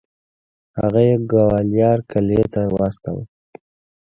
هغه یې ګوالیار قلعې ته واستوه.